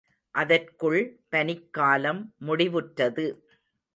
அதற்குள் பனிக்காலம் முடிவுற்றது.